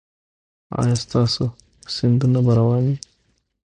ایا ستاسو سیندونه به روان وي؟